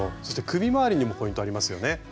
そして首回りにもポイントありますよね？